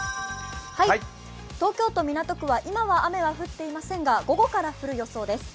東京都港区は今は雨は降っていませんが午後から降る予想です。